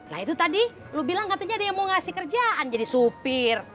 nah itu tadi lo bilang katanya ada yang mau ngasih kerjaan jadi supir